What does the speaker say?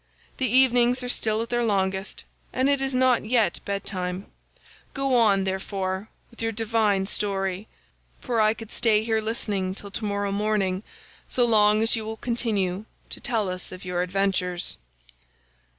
The evenings are still at their longest, and it is not yet bed time—go on, therefore, with your divine story, for I could stay here listening till tomorrow morning, so long as you will continue to tell us of your adventures."